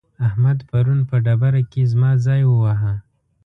احمد پرون په ډبره کې زما ځای وواهه.